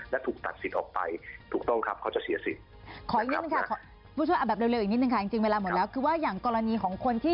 และถูกตัดสิทธิ์ออกไปถูกต้องครับเขาจะเสียสิทธิ์